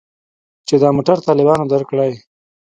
چې دا موټر طالبانو درکړى.